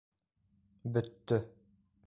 Бөттө.